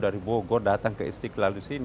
dari bogor datang ke istiqlal di sini